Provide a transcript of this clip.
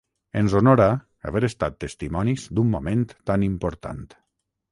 Ens honora haver estat testimonis d'un moment tan important.